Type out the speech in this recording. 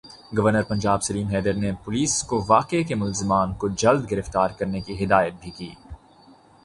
governor Punjab Salim Haidar نے police کو واقعے کے ملزمان کو جلد گرفتار کرنے کی ہدایت بھی کی